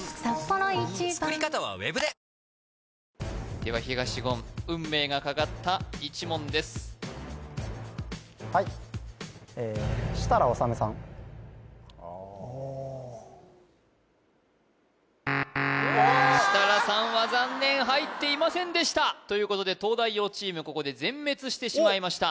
では東言運命がかかった１問ですはいえああ・うわ設楽さんは残念入っていませんでしたということで東大王チームここで全滅してしまいました